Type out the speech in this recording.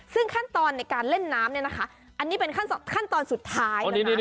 ซึ่งขั้นตอนในการเล่นน้ำเนี่ยนะคะอันนี้เป็นขั้นตอนสุดท้ายนะคะ